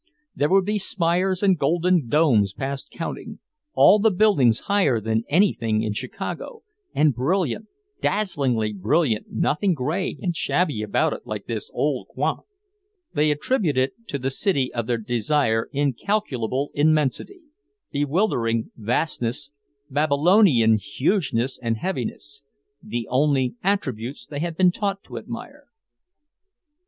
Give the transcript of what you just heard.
There would be spires and golden domes past counting, all the buildings higher than anything in Chicago, and brilliant dazzlingly brilliant, nothing grey and shabby about it like this old Rouen. They attributed to the city of their desire incalculable immensity, bewildering vastness, Babylonian hugeness and heaviness the only attributes they had been taught to admire.